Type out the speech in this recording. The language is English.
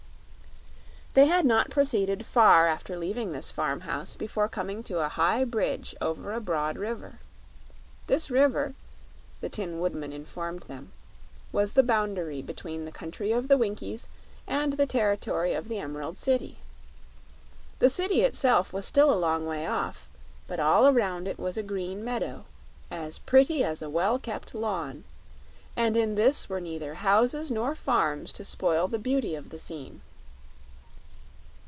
They had not proceeded far after leaving this farm house before coming to a high bridge over a broad river. This river, the Tin Woodman informed them, was the boundary between the Country of the Winkies and the territory of the Emerald City. The city itself was still a long way off, but all around it was a green meadow as pretty as a well kept lawn, and in this were neither houses nor farms to spoil the beauty of the scene.